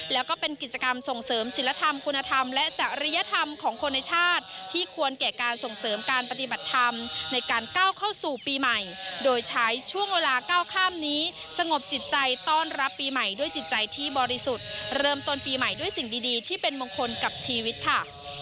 แล้วก็เป็นกิจกรรมส่งเสริมศิลธรรมคุณธรรมและจริยธรรมของคนในชาติที่ควรแก่การส่งเสริมการปฏิบัติธรรมในการก้าวเข้าสู่ปีใหม่โดยใช้ช่วงเวลาก้าวข้ามนี้สงบจิตใจต้อนรับปีใหม่ด้วยจิตใจที่บริสุทธิ์เริ่มต้นปีใหม่ด้วยสิ่งดีที่เป็นมงคลกับชีวิตค่ะ